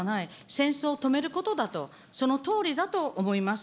戦争を止めることだと、そのとおりだと思います。